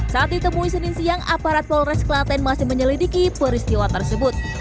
saat ditemui senin siang aparat polres kelaten masih menyelidiki peristiwa tersebut